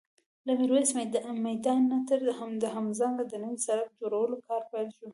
له ميرويس میدان نه تر دهمزنګ د نوي سړک جوړولو کار پیل شوی